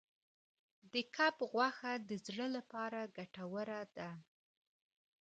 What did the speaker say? د کب غوښه د زړه لپاره ګټوره ده.